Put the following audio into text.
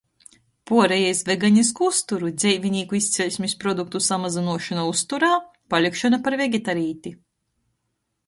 Puoreja iz veganisku uzturu, dzeivinīku izceļsmis produktu samazynuošona uzturā, palikšona par vegetarīti.